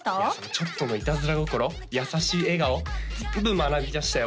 ちょっとのいたずら心優しい笑顔随分学びましたよ